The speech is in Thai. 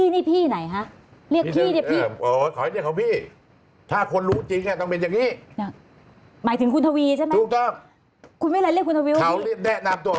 ไม่ได้คิดอะไรหรือปณ์พี่นี่พี่ไหน